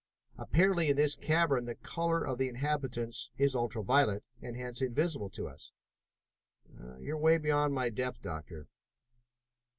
Apparently in this cavern the color of the inhabitants is ultra violet, and hence invisible to us." "You are beyond my depth, Doctor."